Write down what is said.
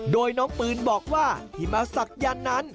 โดยน้องปืนบอกว่าที่มาศักยันต์นั้น